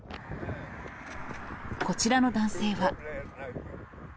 こちらの男性は。